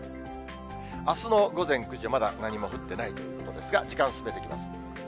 あすの午前９時、まだ何も降ってないということですが、時間進めていきます。